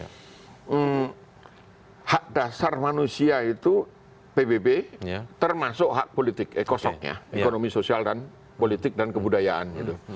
karena hak dasar manusia itu pbb termasuk hak politik ekosoknya ekonomi sosial dan politik dan kebudayaan